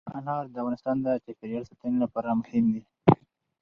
انار د افغانستان د چاپیریال ساتنې لپاره مهم دي.